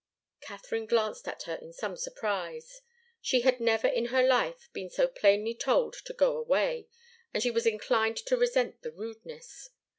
Katharine glanced at her in some surprise. She had never in her life been so plainly told to go away, and she was inclined to resent the rudeness.